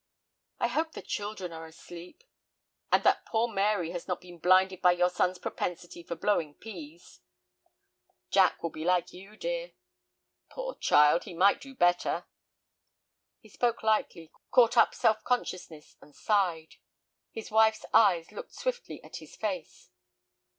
"I hope the children are asleep." "And that poor Mary has not been blinded by your son's propensity for blowing pease." "Jack will be like you, dear." "Poor child, he might do better." He spoke lightly, caught up self consciousness, and sighed. His wife's eyes looked swiftly at his face.